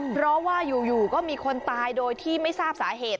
เพราะว่าอยู่ก็มีคนตายโดยที่ไม่ทราบสาเหตุ